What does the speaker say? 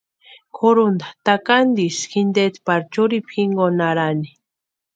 Kʼurhunta takantisï jinteeti pari churhipu jinkoni arhani.